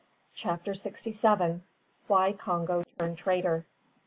CHAPTER SIXTY SEVEN. WHY CONGO TURNED TRAITOR.